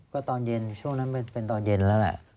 ก็ตอนเย็นช่วงนั้นเป็นตอนเย็นแล้วแหละ